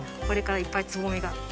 これからいっぱいつぼみが。